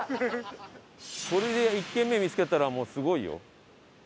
これで１軒目見つけたらもうすごいよ。